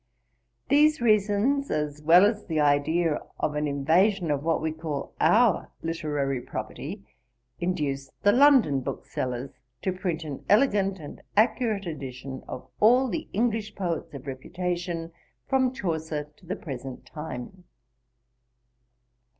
These reasons, as well as the idea of an invasion of what we call our Literary Property, induced the London Booksellers to print an elegant and accurate edition of all the English Poets of reputation, from Chaucer to the present time.